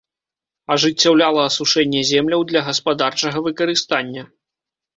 Ажыццяўляла асушэнне земляў для гаспадарчага выкарыстання.